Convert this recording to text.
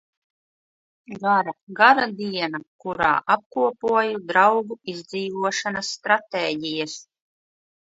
Gara, gara diena, kurā apkopoju draugu izdzīvošanas stratēģijas.